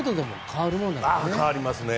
変わりますね。